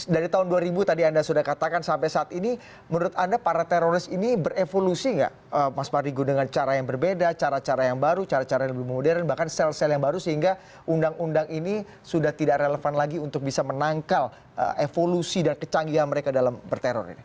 dari tahun dua ribu tadi anda sudah katakan sampai saat ini menurut anda para teroris ini berevolusi nggak mas mardigu dengan cara yang berbeda cara cara yang baru cara cara yang lebih modern bahkan sel sel yang baru sehingga undang undang ini sudah tidak relevan lagi untuk bisa menangkal evolusi dan kecanggihan mereka dalam berteror ini